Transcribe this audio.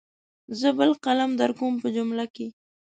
زه بل قلم درکوم په جملو کې.